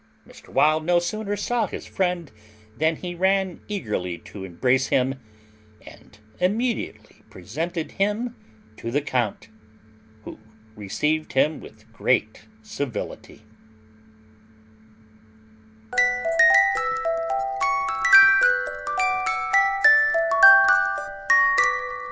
Mr. Wild no sooner saw his friend than he ran eagerly to embrace him, and immediately presented him to the count, who received him with great civility.